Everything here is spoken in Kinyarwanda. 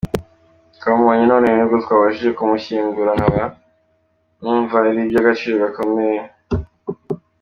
Twamubonye none ni bwo twabashije kumushyingura, nkaba numva ari iby’agaciro gakomeye”.